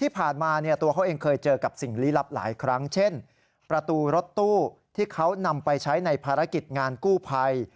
ที่ผ่านมาเนี่ยตัวเขาเองเคยเจอกับสิ่งลี้ลับหลายครั้งเช่นประตูรถตู้ที่เขานำไปใช้ในภารกิจงานกู้ภัย